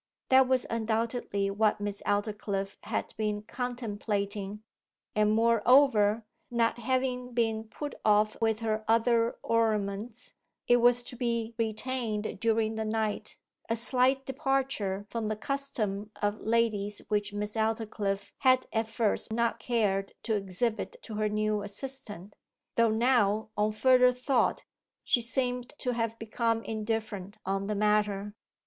That was undoubtedly what Miss Aldclyffe had been contemplating; and, moreover, not having been put off with her other ornaments, it was to be retained during the night a slight departure from the custom of ladies which Miss Aldclyffe had at first not cared to exhibit to her new assistant, though now, on further thought, she seemed to have become indifferent on the matter.